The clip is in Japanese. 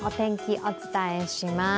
お伝えします。